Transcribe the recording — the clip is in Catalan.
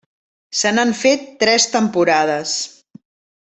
Se n'han fet tres temporades.